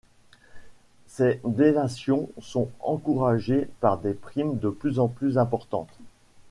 Ces délations sont encouragées par des primes de plus en plus importantes.